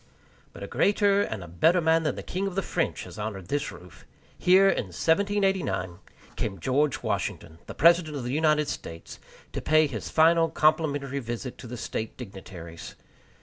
But a greater and a better man than the king of the French has honored this roof. Here, in 1789, came George Washington, the President of the United States, to pay his final complimentary visit to the State dignitaries.